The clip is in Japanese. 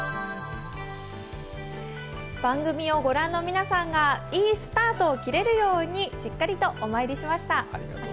番組を御覧の皆さんがいいスタートを切れるようにしっかりとお参りしました。